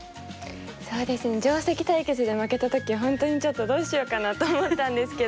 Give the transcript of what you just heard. そうですね定石対決で負けた時は本当にちょっとどうしようかなと思ったんですけど。